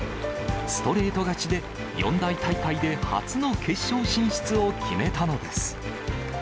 ストレート勝ちで、四大大会で初の決勝進出を決めたのです。